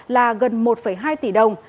là gần một hai tỷ đồng